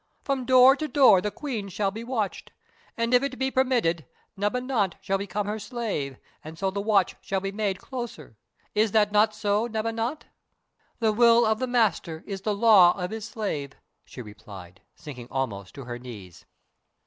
"From door to door the Queen shall be watched, and, if it be permitted, Neb Anat shall become her slave, and so the watch shall be made closer. Is not that so, Neb Anat?" "The will of the Master is the law of his slave," she replied, sinking almost to her knees.